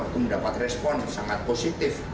itu mendapat respon sangat positif